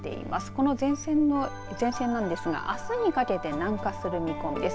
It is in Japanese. この前線なんですがあすにかけて南下する見込みです。